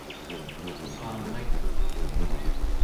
uqamaituq